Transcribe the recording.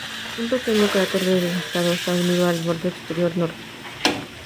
Un pequeño cráter desgastado está unido al borde exterior norte.